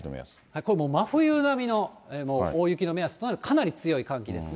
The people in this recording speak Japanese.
これ真冬並みの大雪の目安となる、かなり強い寒気ですね。